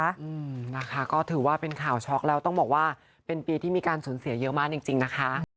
อืมนะคะก็ถือว่าเป็นข่าวช็อกแล้วต้องบอกว่าเป็นปีที่มีการสูญเสียเยอะมากจริงจริงนะคะ